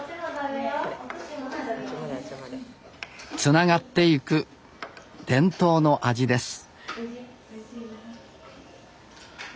つながっていく伝統の味です。